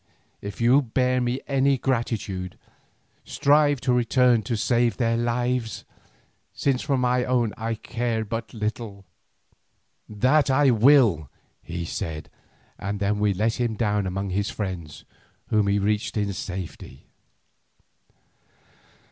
If you bear me any gratitude, strive in return to save their lives, since for my own I care but little." "That I will," he said, and then we let him down among his friends, whom he reached in safety.